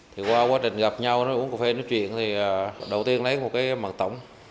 thì qua quá trình gặp nhau uống cà phê nói chuyện thì đầu tiên lấy một cái mật tổng